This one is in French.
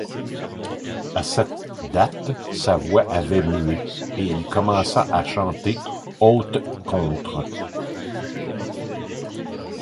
À cette date, sa voix avait mué et il commença à chanter haute-contre.